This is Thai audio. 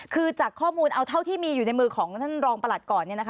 คือจากข้อมูลเอาเท่าที่มีอยู่ในมือของท่านรองประหลัดก่อน